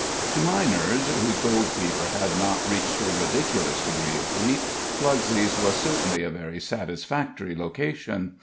To miners, whose gold fever had not reached a ridiculous degree of heat, Blugsey's was certainly a very satisfactory location.